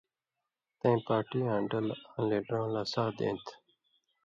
تَیں پارٹی آں ڈلہۡ آں لیڈرؤں لا سہہۡ دیں تھہ۔